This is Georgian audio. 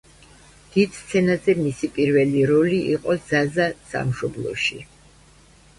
დიდ სცენაზე მისი პირველი როლი იყო ზაზა „სამშობლოში“.